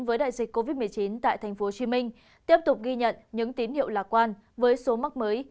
với đại dịch covid một mươi chín tại tp hcm tiếp tục ghi nhận những tín hiệu lạc quan với số mắc mới